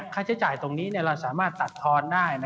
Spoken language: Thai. ค่าใช้จ่ายตรงนี้เราสามารถตัดทอนได้